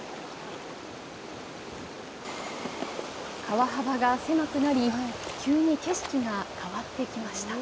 川幅が狭くなり、急に景色が変わってきました。